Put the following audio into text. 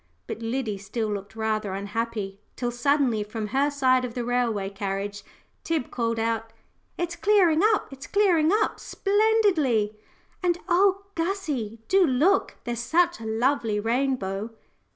But Liddy still looked rather unhappy, till suddenly from her side of the railway carriage Tib called out, "It's clearing up it's clearing up splendidly; and oh, Gussie! do look there's such a lovely rainbow!"